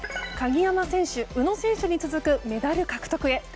鍵山選手、宇野選手に続くメダル獲得へ。